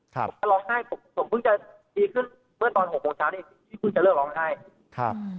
ผมก็ร้องไห้ผมผมเพิ่งจะดีขึ้นเมื่อตอนหกโมงเช้านี้ที่เพิ่งจะเลิกร้องไห้ครับ